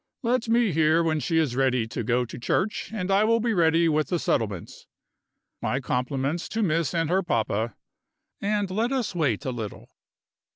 Let me hear when she is ready to go to church, and I will be ready with the settlements. My compliments to Miss and her papa, and let us wait a little."